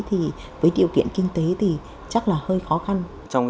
thì với điều kiện kinh tế thì chắc là không phải là một cái vật dụng đấy